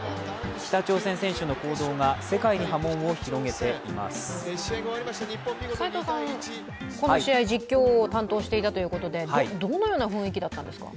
北朝鮮選手の行動が世界に波紋を広げています齋藤さん、この試合、実況を担当していたということでどのような雰囲気だったんですか？